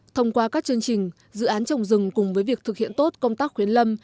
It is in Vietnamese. thông qua các chương trình dự án trồng rừng cùng với việc thực hiện tốt công tác khuyến lâm